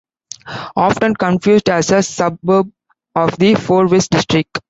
Often confused as a suburb of the Fourways District.